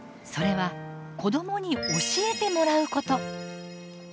それは子どもに教えてもらうこと。